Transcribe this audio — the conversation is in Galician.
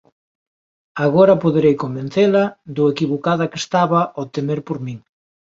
Agora poderei convencela do equivocada que estaba ao temer por min.